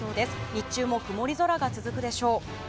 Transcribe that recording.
日中も曇り空が続くでしょう。